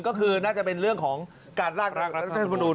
ก็คือน่าจะเป็นเรื่องของการร่างรัฐธรรมนุน